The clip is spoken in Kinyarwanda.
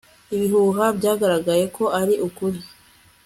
ibihuha byagaragaye ko ari ukuri